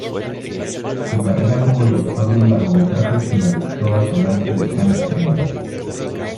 Su carrera como director de largometrajes finalizó a finales de los años treinta.